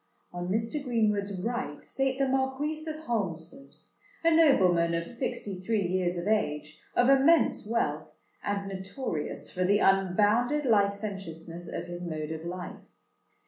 On Mr. Greenwood's right sate the Marquis of Holmesford—a nobleman of sixty three years of age, of immense wealth, and notorious for the unbounded licentiousness of his mode of life.